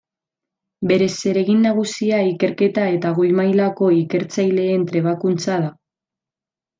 Bere zeregin nagusia ikerketa eta goi mailako ikertzaileen trebakuntza da.